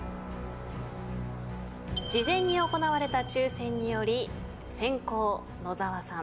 事前に行われた抽選により先攻野澤さん